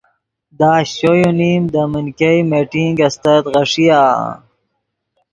دے اشچو یو نیم دے من ګئے میٹنگ استت غیݰیآ۔